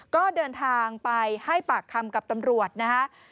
ก็เดินทางไปให้ปากคำกับตำรวจนะฮะ